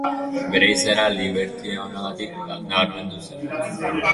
Bere izaera libertinoagatik nabarmendu zen.